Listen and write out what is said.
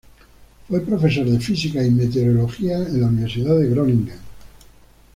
Fue profesor de Física y Meteorología en la Universidad de Groningen.